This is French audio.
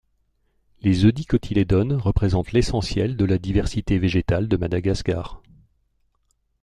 Les Eudicotylédones représentent l'essentiel de la diversité végétale de Madagascar.